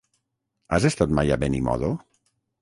Has estat mai a Benimodo?